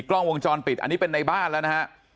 กล้องวงจรปิดอันนี้เป็นในบ้านแล้วนะฮะ